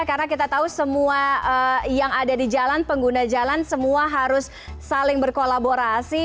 karena kita tahu semua yang ada di jalan pengguna jalan semua harus saling berkolaborasi